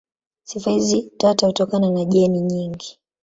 Sifa hizi tata hutokana na jeni nyingi.